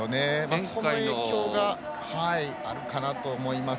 その影響があるかなと思います。